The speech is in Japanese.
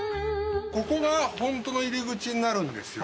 ここがホントの入り口になるんですよ。